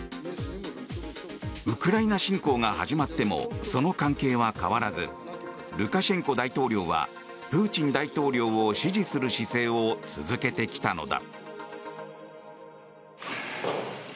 ウクライナ侵攻が始まってもその関係は変わらずルカシェンコ大統領はプーチン大統領を支持する姿勢を続けてきたのだ。